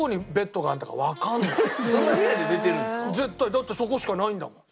だってそこしかないんだもん。